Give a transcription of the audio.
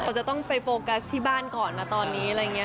เขาจะต้องไปโฟกัสที่บ้านก่อนนะตอนนี้อะไรอย่างนี้